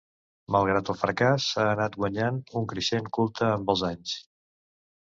Malgrat el fracàs, ha anat guanyant un creixent culte amb els anys.